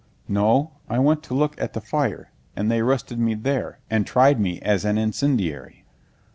"No, I went to look at the fire, and they arrested me there, and tried me as an incendiary."